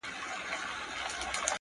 • دا چي انجوني ټولي ژاړي سترگي سرې دي؛